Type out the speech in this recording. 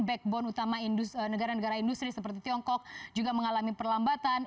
backbone utama negara negara industri seperti tiongkok juga mengalami perlambatan